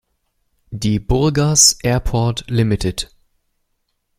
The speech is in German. Die Burgas Airport Ltd.